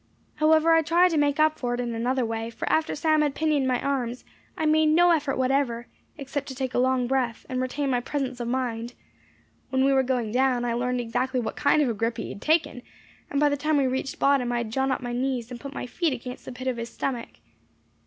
However, I tried to make up for it in another way; for after Sam had pinioned my arms, I made no effort whatever, except to take a long breath, and retain my presence of mind. When we were going down, I learned exactly what kind of a grip he had taken, and by the time we reached bottom, I had drawn up my knees, and put my feet against the pit of his stomach.